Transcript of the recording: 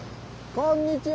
こんにちは！